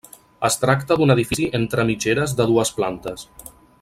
Es tracta d'un edifici entre mitgeres de dues plantes.